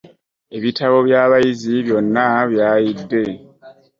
Ebitabo by'abayizi byonna byayidde.